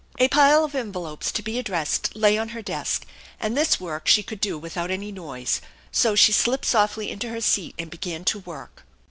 A pile of envelopes to be addressed lay on her desk, and this work she could do without any noise, so she slipped softly into her seat and began to work.